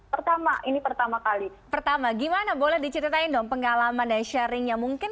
pertama ini pertama kali pertama gimana boleh diceritain dong pengalaman dan sharingnya mungkin